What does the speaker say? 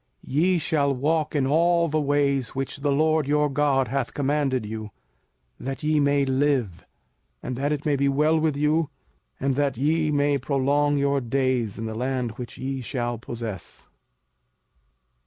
05:005:033 Ye shall walk in all the ways which the LORD your God hath commanded you, that ye may live, and that it may be well with you, and that ye may prolong your days in the land which ye shall possess.